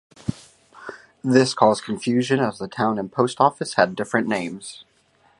This caused confusion, as the town and post office had different names.